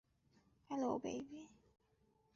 Hello, baby.